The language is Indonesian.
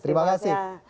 oke terima kasih